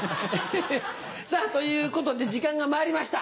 さぁということで時間がまいりました。